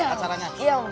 agak ber embel